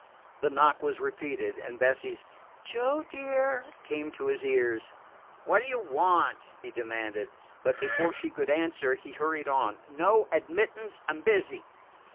The knock was repeated, and Bessie's "Joe, dear" came to his ears. "What do you want?" he demanded. But before she could answer he hurried on: "No admittance. I 'm busy."